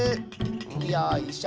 よいしょ。